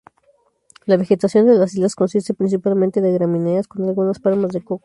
La vegetación de las islas consiste principalmente de gramíneas con algunas palmas de coco.